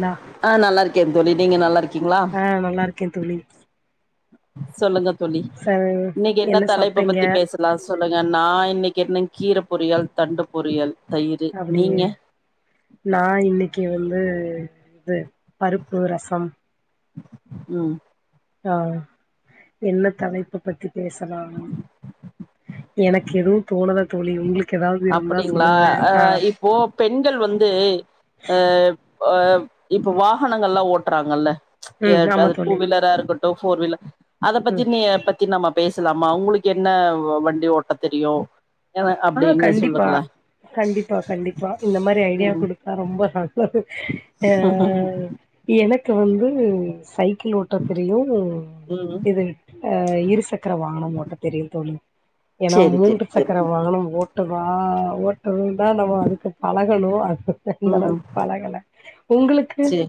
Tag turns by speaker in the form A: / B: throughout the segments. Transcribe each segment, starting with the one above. A: ளா
B: ஆ நல்லா இருக்கே தோழி நீங்க நல்லா இருக்கீங்ளா
A: ஆ நல்லா இருக்கே தோழி
B: சொல்லுங்க தோழி
A: ச
B: இன்னைக்கு எந்த
A: என்ன
B: தலைப்ப
A: சாப்ட்டீங்க
B: பத்தி பேச லா சொல்லுங்க நா இன்னைக்கு என்ன கீர பொரியல் தண்டு பொரியல் தயிர்
A: அப்டியா
B: நீங்க
A: நா இன்னைக்கு வந்து இது பருப்பு ரசம்
B: ம்
A: ஆ என்ன தலைப்ப பத்தி பேசலா எனக்கு எதுவு தோணல தோழி உங்களுக்கு எதாவ்து இருந்தா சொல்லுங்களே அ
B: போ பெண்கள் வந்து அ ப இப்ப வாகனங்கள்லா ஓட்றாங்கல்ல
A: ம்
B: எட்
A: ஆமா
B: அது டூ
A: தோழி
B: வீலரா இருக்கட்டு ஃபோர் வீல அத பத்தி
A: ம்
B: நீங்க எப்ப த்தி நம்ம பேசலாமா உங்களுக்கு என்ன வ வண்டி ஓட்ட தெரியு ஏனா
A: ஆ கண்டிப்பா கண்டிப்பா கண்டிப்பா இந்த மாரி ஐடியா
B: ம்
A: குடுத் தா ரொம்ப நல்லது அ எனக்கு வந்து சைக்கிள் ஓட் ட்ட தெரியு
B: ம்
A: இது அ இருசக்கர வாகனம் ஓட்ட தெரியு தோழி ஏனா
B: சரி சரி
A: மூன்று
B: சரி
A: சக்கர னம் ஓட்டவா ஓட்றருந்தா நம்ம அதுக்கு பழகனு அது அந்த அளவுக்கு பழகல உங்களுக்
B: சேரி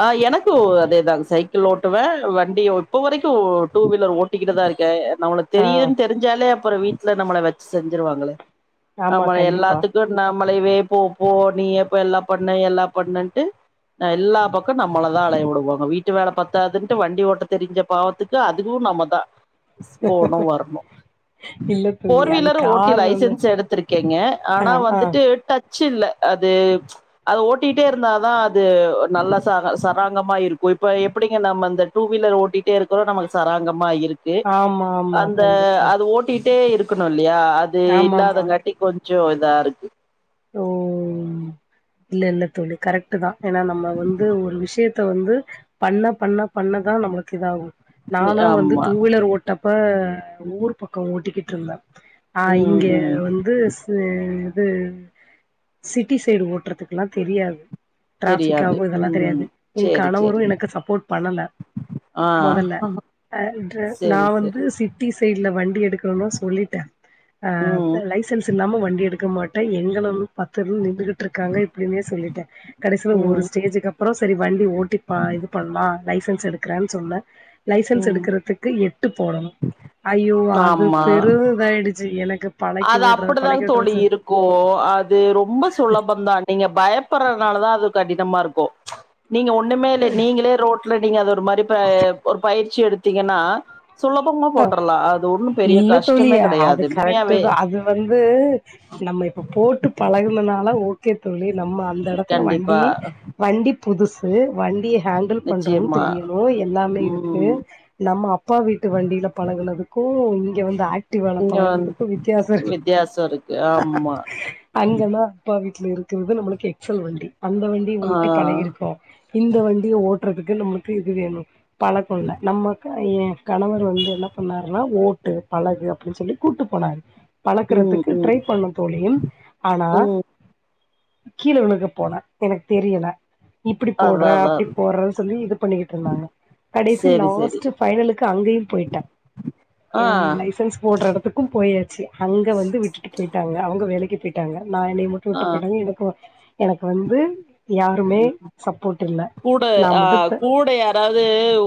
B: ஆ எனக்கு அதேதாங்க சைக்கிள் ஓட்டுவே வண்டி ஓட் இப்ப வரைக்கு டூ வீலர் ஓட் ட்டிக்கிட்டுதா இருக்கே நம்மளுக்கு
A: ஆ
B: தெரியுன் தெரிஞ்சாலே அப்பற வீட்ல நம்மள வச்சு செஞ்சுருவாங்களே ஆமா எல்லாத்துக்கு நம்மளைவே போ போ நீயே போய் எல்லா பண்ணு எல்லா பண்ணுட்டு அ எல்லா பக்கம் நம்மள தா அலைய விடுவாங்க வீட்டு வேல பத்தாதுன்ட்டு வண்டி ஓட்ட தெரிஞ்ச பாவத்து க்கு அதுவு நம்மதா போனு வர்ணு
A: இல்ல தோழி
B: ஃபோர்
A: அது
B: வீலர் ஓட்டி
A: காரண
B: லைசன்ஸ் எடுத்திருக்கேங்க
A: ஆ
B: ஆனா
A: ஆ
B: வந்துட்டு டச் ச்சு இல்ல அது அத ஓட்டிட்டே இருந்தாதா து நல்ல சரா சராங்கமா இருக்கு இப்ப எப்டிங்க நம்ம இந்த டூ வீலர் ஓட்டிட்டே இருக் றோ நம்மளுக்கு சராங்கமா இருக்கு
A: ஆமா ஆமா
B: அந்த
A: கண்டிப்பா
B: அது ஓட்டிட்டே இருக் க்கணு இல்லையா அது
A: ஆமாமா
B: இல்லாதங்காட்டி கொஞ்ச இதா இருக்கு
A: ஓ இல்ல இல்ல தோழி கரெக்ட்டு தா ஏனா நம்ம வந்து ஒரு விஷ்யத்த வந்து பண்ண பண்ண பண்ணதா நம்மளுக்கு இதாகு
B: ம்,
A: நானா வந்து
B: ஆமா
A: டூ வீலர் ஓட்டப்ப ஊரு பக்க ஓட்டிக்கிட்டு இருந்தோ ஆ
B: ம்
A: இங்க
B: ம்
A: வந்து சி இது சிட்டி சைட் ஓட்ற த்துக்குலா தெரியாது ட்ராஃபிக்
B: தெரியாது
A: ஆகு இதெல்லா
B: ம்
A: தெரியாது எ
B: சேரி
A: கணவரு
B: சேரிங்க
A: எனக்கு சப்போட் பண்ணல
B: ஆ
A: மொதல்ல அ விட்ற நா
B: சேரி
A: வந்து
B: சேரி
A: சிட்டி சைட்ல வண்டி எடுக்குறன்னு சொல்லிட்டே அ
B: ம்
A: இந்த லைசன்ஸ் இல்லாம வண்டி எடுக்க மாட்டே எங்களும் பத்தரும் நின்டுகிட்ருக்க அப்டினே சொல்லிட்டே கடைசில ஒரு
B: ம்
A: ஸ்டேஜுக்கு அப் அப்றோ செரி வண்டி ஓட்டி பா இது பண்லா லைசன்ஸ் எடுக்குறேன் சொன்ன லைசன்ஸ்
B: ம்
A: எடுக்கறதுக்கு எட்டு போடணு ஐயோ அது
B: ஆமா
A: பெரு இதாயிடுச்சு எனக்கு பழக்கி
B: அது
A: விட்ற
B: அப்டிதா
A: பழக்கி
B: தோழி
A: விட்ற
B: இருக்கு அது ரொம்ப சுலபந்தான் நீங்க பயப்படுறனால தா அது கடினமா இருக்கு நீங்க ஒண்ணுமே இல்ல நீங்களே ரோட் ட்ல நீங்க அது ஒரு மாரி ப ஒரு பயிற்சி எடுத்தீங்கன்னா சுலபம்மா போட்டுர்லா அது ஒண்ணு பெரிய
A: இல்ல தோழி
B: கஷ்டமே
A: அது
B: கெடையாது
A: கரெக்ட்
B: உண்மையாவே
A: அது வந்து நம்ம இப்ப போட்டு பழகுனனால ஓ கே தோழி நம்ம அந்த எடத்துல
B: கண்டிப்பா
A: வண்டி வண்டி புதுசு வண்டிய ஹேண்டில் பண்றது
B: நிச்சயமா
A: தெரியணு எல்லாமே இருக்கு
B: ம்
A: நம்ம அப்பா வீட் டு வண்டில பழகனதுக்கு இங்க வந்து ஆக் ட்டிவால
B: இங்க வந்
A: பழகறதுக்கு வித்யாச இரு
B: வித்தியாசோ இருக்கு ஆமா
A: அங்கனா அப்பா வீட்ல இருக்கிறது நம்மளுக்கு எக்செல் வண்டி அந்த வண்டிய
B: ஆ
A: ஓட்டி பழகிருக்கோ இந்த வண்டிய ஓட்றதுக்கு நம்மளுக்கு இது வேணு பழக்கோல்ல நம்மக்கு ஏ கணவர் வந்து என்ன பண்ணாருன்னா ஓட்டு பழகு அப்டின் சொல்லி கூட்டு போனாரு
B: ம்
A: பழக்குறதுக்கு ட்ரை
B: ம்
A: பண்ணு தோழியும் ஆனா
B: ம்
A: கீழ விழுக போன எனக்கு தெரியல இப்டி போடுற
B: அதா அதா
A: அப்டி போடுற சொல்லி இது பண்ணிக்கிட்டு இருந்தாங்க கடைசி
B: சேரி சேரி
A: லாஸ்ட்டு பைனலு அங்கயு போய்ட்ட
B: ஆ
A: ஏ லை எசன்ஸ் போடுற எடத்துக்கு போயாச்சு அங்க வந்து விட்டுட்டு போய்ட்டாங்க அவங்க வேலைக்கி பே ட்டாங்க நா என்னய மட்டு
B: ஆ
A: விட்டு போய்ட்டாங்க எனக்கு எனக்கு வந்து யாருமே சப்போட் இல்ல நா மட்டு த
B: அதாது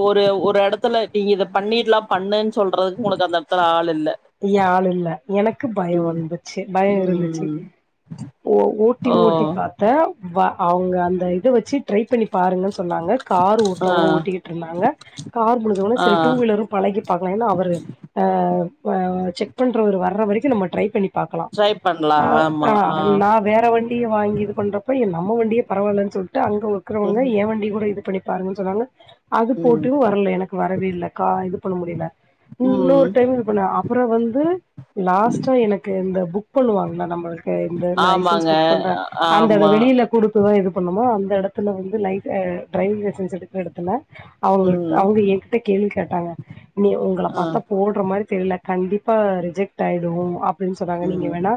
B: ஒரு ஒரு எடத்துல நீ இத பண்ணிட்லா பண்ணுன் சொல்றதுக்கு உனக்கு அந்த எடத்துல ஆள் இல்ல
A: ய்ய ஆள் இல்ல எனக்கு பயோ
B: ம்
A: வந்துச்சு பயோ இருந்துச்சு
B: ம்
A: ஓ ஓட்டி
B: ஓ
A: ஓட்டி பாத்த வ அவங்க அந்த இத வச்சி ட்ரை பண்ணி பாருங்கன் சொன்னாங்க கார்
B: ஆ
A: ஒருத்தவங்க ஓட்டிக்கிட்ருந்தாங்க கார் மு முடிஞ்சவொனே சரி
B: ஆ
A: டூ வீலரு பலகி பாக்கலா என்னா அவரு ஆ ஆ செக் பண்றவரு வர வரைக்கு நம்ம ட்ரை பண்ணி பாக்கலா
B: ட்ரை பண்லா
A: ஆ
B: ஆமா
A: ஆ எல்லா வேற வண்டிய வாங்கி இது பண்றப்ப எ நம்ம வண்டிய பரவால்லன்னு சொல்ட்டு அங்க உக்கறவங்க
B: ம்
A: ய வண்டி கூட இது பண்ணி பாருங்கன்னு சொன்னாங்க அது
B: ம்
A: போட்டு வரல எனக்கு வரவே இல்ல கா இது பண்ண முடியல இன்னொர்
B: ம்
A: டைம் இது பண்ண அப்ரோ வந்து லாஸ்டா எனக்கு இந்த புக் பண்ணுவாங்கள நம்மளுக்கு இந்த லைசன்ஸ்
B: ஆமாங்க
A: புக் பண்ற அந்தது
B: ஆமா
A: வெளில குடுக் இத இது பண்ணுமோ அந்த எடத்துல வந்து லைட்ட ட்ரைவிங் லைசன்ஸ் எடுக்க எடத்துல அவங்க
B: ம்
A: அவங்க எங்கிட்ட கேள்வி கேட்டாங்க நீ ஒங்கள
B: ஆ
A: பாத்தா போட்ற மாரி தெரில கண்டிப்பா ரிஜெக்ட் ஆய்டு அப்டின் சொன்னாங்க நீங்க
B: ம்
A: வேணா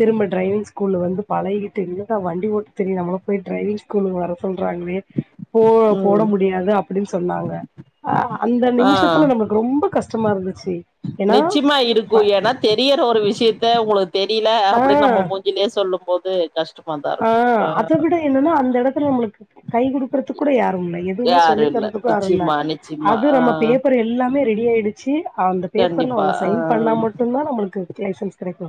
A: திரும்ப ட்ரைவி்ங் ஸ்கூல் வந்து பழகிட்டு என்னடா வண்டி ஓட்ட தெரி நம்ம போய் ட்ரைவிங் ஸ்கூலு வர சொல்றாங்களே போ போட
B: ம்
A: முடியாது அப்டின்னு சொன்னாங்க அ அந்த
B: ஆ
A: நிமிஷத்துல நம்ம ரொம்ப கஷ்டமா இருந்திச்சி
B: நிச்சயமா இருக்கு ஏனா தெரியிற ஒரு விஷயத்த உங்களுக்கு தெரில
A: ஆ
B: அப்டின்னு நம்மம் போ இல்ல சொல்லும் போது கஷ்
A: ஆ அத விட என்னன்னா அந்த எடத்துல நம்மளுக்கு கை குடுக்குறத்து கூட யாருமில்ல எதுமே
B: யாரு
A: சொல்லி
B: இல்ல
A: தரதுக்கு ஆருல்ல
B: நிச்சயமா நிச்சயமா
A: அது
B: ஆ
A: நம்ம பேப்பர் எல்லாமே ரெடியாடுச்சி அந்த பேப்பர்ல
B: கண்டிப்பா
A: அவுங்க
B: ஆ
A: சைன் பண்ணா மட்டுந்தா நம்மளுக்கு லைசன்ஸ் கெடைக்கு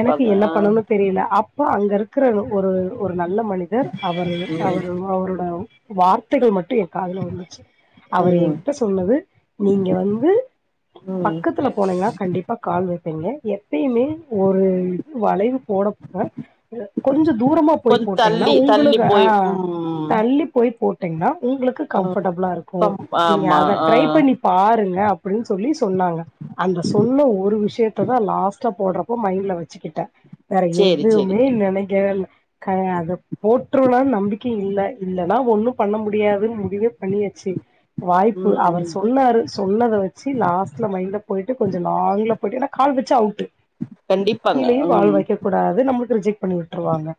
A: எனக்கு என்ன
B: ஆ
A: பண்ணணு தெரியல அப் போ அங்க இருக்கிற ஒரு ஒரு நல்ல மனிதர் அவரு
B: ம்
A: அவரு அவரோட வார்த்தைகள் மட்டு ஏ காதுல உளுந்துச்சு அவரு
B: ம்
A: ஏன்கிட்ட சொ சொன்னது நீங்க வந்து
B: ம்
A: பக்கத்துல போனீங்கன்னா கண்டிப்பா கால் வப்பீங்க எப்பயுமே ஒரு வளைவு போடப்ப கொஞ்சு தூரமா போய்
B: கொஞ்ச
A: போட்டீங்கன்னா
B: தள்ளி தள்ளி
A: உங்களுக்கு ஹ
B: போய் ம்
A: தள்ளி போய் போட் போட்டிங்னா உங்களுக்கு
B: ஆ
A: கம்ஃபர்டபிளா இருக்கு
B: கம்
A: நீங்க
B: ஆமா
A: அத
B: ஆ
A: ட்ரை பண்ணி பாருங்க அப்டின் சொல்லி சொன்னாங்க அந்த சொன்ன ஒரு விஷயத்த தா லாஸ்டா போட்றப்போ மைண்ட்ல வச்சிகிட்ட வேற
B: சேரி
A: எதுவுமே
B: சேரிங்க
A: நெனக்கவே இல்ல க அத போட்ருவ நம்பிக்க இல்ல இல்லனா ஒன்னு பண்ண முடியாதுன் முடிவே பண்ணியாச்சு வாய்ப்பு
B: ம்
A: அவர்
B: ம்
A: சொன்னாரு சொன்னத வச்சு லாஸ்ட்ல மைண்ட்ல போயிட்டு கொஞ்சோ லாங்ல போய்ட்டு நா கால் வச்சா அவுட்டு
B: கண்டிப்பாங்க
A: கீழயு
B: ம்
A: கால் வைக்க கூடாது நம்ளுக்கு ரிஜெக்ட் பண்ணி விட்ருவாங்க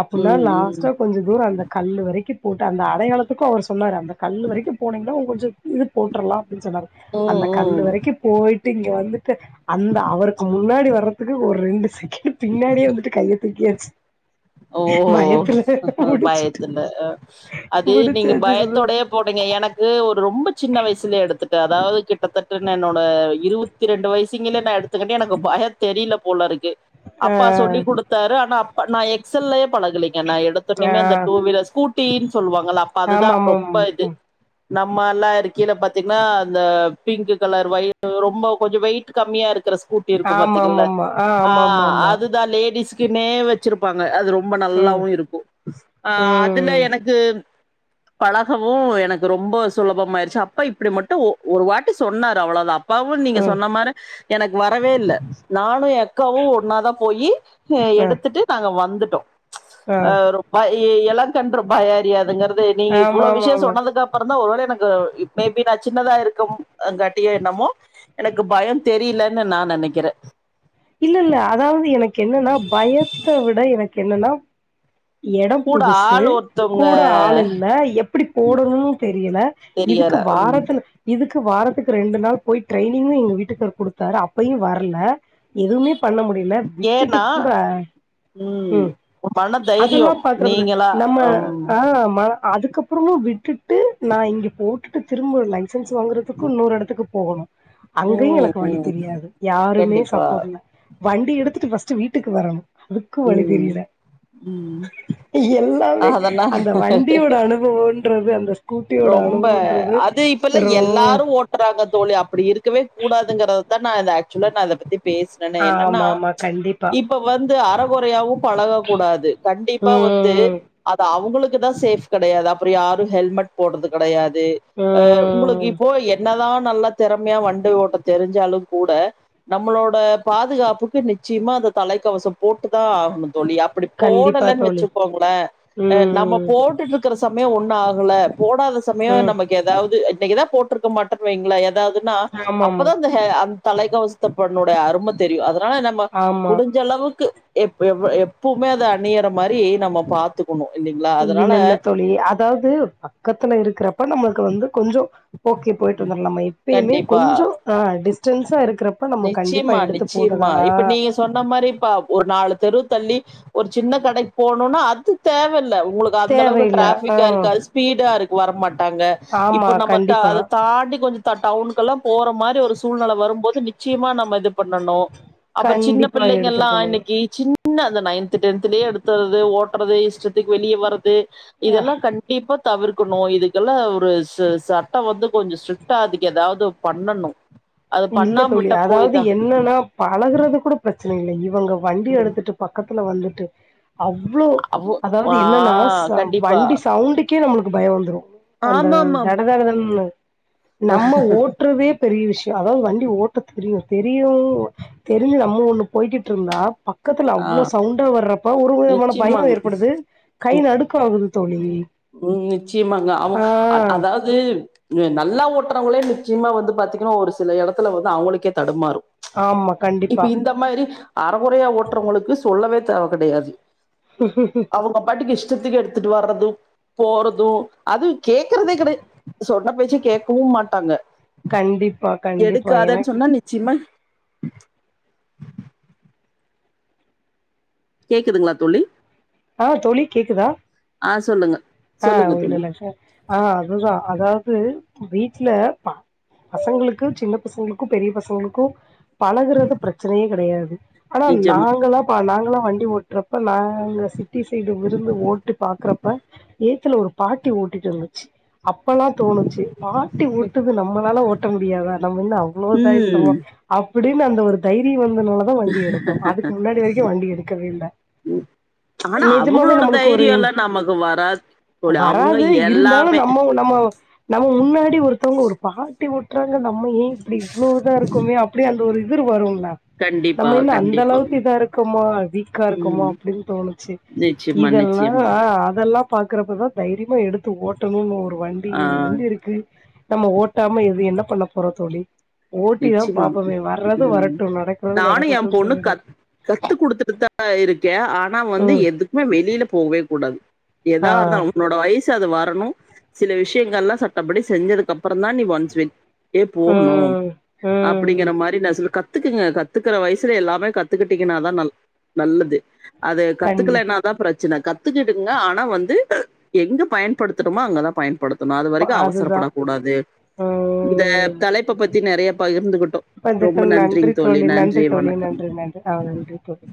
A: அப்பின்னா
B: ம் ம் ம்
A: லாஸ்ட்டா கொஞ்சோ தூர அந்த கல்லு வரைக்கு போட்டு அந்த அடையாள இதுக்கு அவர் சொன்னாரு அந்த கல்லு வரைக்கு போனீங்கன்னா கொஞ்சோ இது போட்றலா அப்டின் சொன்னாரு அந்த கல்லு
B: ம்
A: வரைக்கு போய்ட் இங்க வந்துட்டு அந்த அவருக்கு முன்னாடி வர்றதுக்கு ஒரு ரெண்டு செகண்ட் பின்னாடியே வந்துட்டு கைய தூக்கியாச்சு
B: ஓ
A: பயத்துல முடிச்சுட்டு
B: பயத்துல அது நீங்க
A: முடிச்சாச்சு சொல்லு
B: பயத்தோடயே போட்டீங்க எனக்கு ஒரு ரொம்ப சின்ன வயசுலய எடுத்துட்டு அதாவது கிட்ட கிட்டத்தட்ட என்னோட இருபத்தி ரெண்டு வயசுங்களயே நா எடுத்துக்கிட்ட எனக்கு பயம் தெரியல போல இருக்கு
A: ஆ
B: அப்பா சொல்லிக் குடுத்தாரு ஆனா அப்பா நா எக்ஸ்லயே பழகலீங்க நா
A: ஆ
B: எடுத்துனமே அந்த டூ வீலர் ஸ்கூட் டி சொல்லுவாங்கள அப்ப அதுதா
A: ஆமாமாம்
B: ரொம்ப இது
A: ம்
B: நம்மலா இரு கீழ பாத்தீங்கனா அந்த பிங்க்கு கலர் ஒய்டு ரொம்ப கொஞ்சு வெயிட் கம்மியா இருக்கிற ஸ்கூ ட்டி இருக்கு பாத்தீங்கள
A: ஆமாமாமா ஆ
B: ஹ
A: ஆமாமாமா
B: அதுதா லேடிஸ்குனோ வச் ப்பாங்க அது ரொம்ப
A: ம்
B: நல்லாவு இருக்கு ஹ அதுல
A: ம்
B: எனக்கு பலகவு எனக்கு ரொம்ப சுலபமாயிருச்சு அப்ப இப்டி மட்டு ஒரு வாட்டி சொன்னாரு அவ்ளோதா அப் பாவு நீங்க
A: ம்
B: சொன்ன மாரி எனக்கு வரவே இல்ல நானு எ அக்காவு ஒன்னாதா போயி ஹ
A: ஆ
B: எடுத்துட்டு நாங்க வந்துட்டோ
A: ஆ
B: ஹ ப இள கன்று பயோ அறியாதுங்கறது நீங்க இவ்ளோ விஷயோ
A: ஆமாமாமா
B: சொன்னதுக்கப்ரோ அப்புறந்தா ஒருவேள எனக்கு மேபி நா சின்னதா இருக்கம் காட்டிய என்னமோ எனக்கு பயம் தெரிலன்னு நா நெனக்கிற
A: இல்ல இல்ல அதாவது எனக்கு என்னனா பயத்த விட எனக்கு என்னனா எடம்
B: கூட
A: புதுசு
B: ஆள் ஒருத்தவங்க
A: கூட ஆள் இல்ல எப்டி போடனும்னு தெரியல
B: தெரியல
A: இதுக்கு
B: ம்
A: வாரத்ல இதுக்கு வாரத்துக்கு ரெண்டு நாள் போய் ட்ரெய்னிங்கு எங்க வீட்டுக்காரு குடுத்தாரு அப்பயு வரல எதுவுமே பண்ண முடில விட்டுட்டு
B: ஏன்னா
A: கூட ம்
B: மன
A: அதுலா
B: தைரியம்
A: காட்றதுல்ல
B: நீங்களா
A: நம்ம
B: ம்
A: நம்மலாமா அதுக்கப்புறமு விட்டுட்டு நான் இங்க போட்டுட்டு திரும்ப லைசன்ஸ் வாங்குறதுக்கு இன்னொரு எடத்துக்கு போகணு அங்கயு
B: ம்
A: எனக்கு வழி
B: ம்
A: தெரியாது யாருமே
B: கண்டிப்பா
A: சப்போ்ட் இல்ல வண்டி எடுத்துட்டு ஃபர்ஸ்ட் வீட்டுக்கு வரணு அதுக்கு வழி
B: ம்
A: தெரியல
B: ம்
A: எல்லாமே
B: அதனால
A: அந்த வண்டியோட அனுபவன்றது அந்த ஸ்கூட்டியோட
B: ரொம்ப
A: அனுபவன்றது
B: அது இப்பல்ல
A: ரோ
B: எல்லாரு ஓட் றாங்க தோழி அப்டி இருக்கவே கூடாதுங்கறதான் நான் ஆக்சுவலா நான் அத பத்தி பேஸ்
A: ஆ மா மா கண்
B: இப்ப வந்து அர கொறயாவு பழக கூடாது கண்டிப்பா வந்து
A: ம்
B: அது அவங்களுக்குதா சேஃப் கெடையாது அப்பற யாரு ஹெல்மெட் போடுறது கெடையாது அ உங்களுக்கு
A: ம்
B: இப்போ என்னதா நல்ல திறமையா வண்டி ஓட்ட தெரிஞ்சாலு கூட நம்மளோட பாதுகாப்புக்கு நிச்சயமா அந்த தலைக்கவசோ போட்டு தா ஆகணு தோழி அப் டி
A: கண்டிப்பா
B: போடலன்
A: தோழி
B: வெச்சுக்கோங்களே அ நம்ம
A: ம்
B: போட்டுட்ருக்கற சமயோ ஒன்னு ஆகல போடாத சமயோ
A: ம்
B: நமக்கு எதாவ்து இன்னைக்கு தா போட்ருக்க மாட்டோன் வைங்களே எதாவ்துன்னா
A: ஆமா ஆமா
B: அப்பதா அந்த ஹெ அந்த தலைக்கவசத்த பண்ணுடய அரும தெரியு அதனால நம்ம
A: ஆமா
B: முடிஞ்சளவுக்கு எப் எவ் எப்வ்மே அத அந்நிய எட மாரி நம்ம பாத்துக்கணு இல்லைங்ளா அதனால
A: அதாவ்து பக்கத்துல இருக்கிறப்ப நம்ளுக்கு வந்து கொஞ்சோ ஓகே போயிட்டு வந்துர்லா நம்ம எப்பயுமே
B: கண்டிப்பா
A: கொஞ்சோ ஆ டிஸ்டன்ஸா இருக்கிறப்ப நம்ம கண்டிப்பா எடுத்து
B: செரிம்மா
A: போட்டுதானா
B: இப்ப நீ சொன்ன மாரி இப்ப ஒரு நாலு தெருவு தள்ளி ஒரு சின்ன கடைக்கு போகனுனா அது தேவுல் உங்களுக்கு அந்த அளவுக்கு
A: தேவையில்ல ஆ
B: டிராபிக்கா இருக்காது ஸ்பீடா இருக்கு வர மாட்டாங்க
A: ஆமா
B: இப்ப நம்ம த
A: கண்டிப்பா
B: அத தாண்டி கொஞ்ச ட டவுனுக்கெல்லா போற மாரி ஒரு சூழ்நெல வரும் போது நிச்சயமா நம்ம இது பண்ணனு அப்பற சின்ன
A: கண்டிப்பா
B: பிள்ளைங்கெல்லா
A: எடுத்துட்டு போனு
B: இன்னிக்கி சின்ன அந்த நைன்த்து டென்த்லயே எடுத்தறது ஓட்டுறது இஷ்டத்துக்கி வெளிய வர்றது
A: ஆ
B: இதெல்லா கண் டிப்பா தவிர்க்கணு இதுக்கெல்லா ஒரு ச சட்ட வந்து கொஞ்ச ஸ்ட்ரிக்டா அதுக்கு எதாவ்து பண்ணணு
A: இல்ல தோழி அதாவ்து என்னன்னா பழகுறது கூட பிரச்சனை இல்லை இவுங்க வண்டிய
B: ம்
A: எடுத்துட்டு பக்கத்துல வந்துட்டு அவ்ளோ
B: அவ்வோ
A: அதாவ்து
B: ஆ
A: என்னன்னா ச
B: கண்டிப்பா
A: வண்டி சவுண்டுக்கே நம்மளுக்கு பயோ வந்துரு அந்த
B: ஆமாமாம்
A: தட தட தடன்னு நம்ம ஓட்றதே பெரிய விஷ்யோ அதாவ்து வண்டி ஓட்ட தெரியு தெரியு தெரிஞ்சு நம்ம ஒண்ணு போய்கிட்ருந்தா பக்கத்துல
B: ஆ
A: அவ்ளோ சவுண்டா வர்றப்ப ஒரு ஒரு விதமான பய
B: நிச்சயமாங்க
A: ஏற்படுது கை நடுக்கோ ஆவுது தோழி
B: ம் நிச்சயமாங்க அவு
A: ஆ
B: அ அதாவ் து நல்லா ஓட்டுறவங்களே நிச்சயமா வந்து பாத்தீங்கன்னா ஒரு சில எடத்துல வந்து அவுங்களுக்கே தடுமாறு
A: ஆமா கண்டிப்பா
B: ம் மாரி அரகொறயா ஓட்றவங்களுக்கு சொல்லவே தேவ கெடயாது அவுங்க பாட்டுக்கு இஷ்டத்திக்கு எடுத்துட்டு வர்றது போறது அது கேக்குறதே கெடய சொன்ன பேச்சக் கேக்கவு மாட்டாங்க
A: கண்டிப்பா கண்டிப்பா எனக்கு
B: சிம்ம கேக்குதுங்ளா தோழி
A: ஆ தோழி கேக்குதா
B: ஆ சொல்லுங்க
A: ஆ
B: சொல்லுங்க தோழி
A: இல்லல்ல ஏக்சுலா ஆ அதுதா அதாவ்து வீட்ல ப பசங்களுக்கு சின்ன பசங்களுக்கு பெரிய பசங்களுக்கு பழகுறது பிரச்சனையே கெடையாது ஆனா
B: நிஜமா
A: நாங்க என்னப்பா நாங்கலா வண்டி ஓட்றப்ப நாங்க சிட்டி சைடு இருந்து ஓட்டு பாக்குறப்ப எய்த்துல ஒரு பாட்டி ஓட்டிட்டு இருந்துச்சு அப்பல்லா தோணுச்சு பாட்டி ஓட்டுது நம்மளால ஓட்ட முடியாதா நம்ம என்ன அவ்ளோ இதாய்ட்டமா
B: ம்
A: அப்டினு அந்த ஒரு தைரிய வந்துனால தா வண்டி எடுத்தோ அதுக்கு முன்னாடி வரைக்கு வண்டி எடுக்கவே இல்ல
B: ஆனா அவுங்களோட தைரியோல்லா நமக்கு வரா
A: அ வராது இருந்தாலு நம்மோ நம்மோ நம்ம முன்னாடி ஒருத்தவங்க ஒரு பாட்டி ஒட்டுறாங்க நம்ம ஏன் இப்படி இவ்ளோ இதா இருக்கோமே அப்டி அந்த ஒரு எதிர் வரு ல
B: கண்டிப்பா,
A: நம்ம என்ன அந்த
B: கண்டிப்பாங்க.
A: அளவுக்கு இதா இருக்கோமா வீக்கா இருக்கோமா
B: ம்.
A: அப்டின்னு தோணுச்சு
B: நிச்சயமா,
A: இதெல்லா
B: நிச்சயமா.
A: அதெல்லா பாக்குறப்பதா தைரியமா எடுத்து ஓட்டணும்னு ஒரு வண்டி
B: ஆ
A: வண்டி இருக்கு நம்ம ஓட்டாம இது என்ன பண்ண போறோ தோழி ஓட்டிதா
B: நிச்சமா
A: பாப்போமே வர்றது
B: ம்
A: வரட்டு நடக்கிறது
B: நானு எ
A: நடக்கட்டும்னு
B: பொண்ணு
A: சொல்லிடு
B: கத் கத்து குடுத்துட்டு தா இருக்கே ஆனா வந்து
A: ம்
B: எதுக்குமே வெளில போவே கூடாது
A: ஆ
B: ஏதா இருந்தாலு உங்களோட வயசு அது வரணு சில விஷயங்கள்லா சட்டப்படி செஞ்சதுக்கு அப் பற தா நீ ஒன்ஸ் வெ ஏ போணு
A: ம் ம்
B: அப்டிங்கற மாரி நா சொல் கத்துக்குங்க கத்துக்கற வயசுல எல்லாமே கத்துக்கிட்டீங்கன்னாதா நல் நல்லது அது
A: கண்ணு
B: கத்துக்கலேனா தா பிரச்சன கத்துக்கிடுங்க ஆனா வந்து எங்க பயன்படுத்தட்டுமோ அங்கதா பயன்படுத் தூனு அது வரைக்கு
A: அதுதா
B: அவசரப்படக்க கூடாது இந்த
A: ம்
B: தலைப்ப பத்தி நெறய பகிர்ந்துகிட்டோ
A: இப்ப அதுக்கு
B: ரொம்ப
A: நன்றி
B: நன்றிங்
A: தோழி நன்றி தோழி
B: வணக்கம்
A: நன்றி நன்றி ஆ நன்றி தோழி